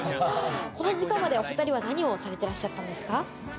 この時間までお２人は何をされてらっしゃったんですか？